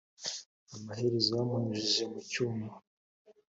amaherezo bamunyujije mu cyuma